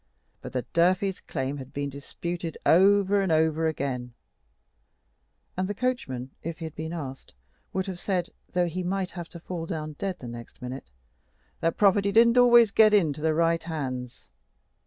But the Durfeys' claim had been disputed over and over again; and the coachman, if he had been asked, would have said, though he might have to fall down dead the next minute, that property didn't always get into the right hands.